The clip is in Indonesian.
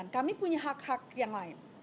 kami punya hak hak yang lain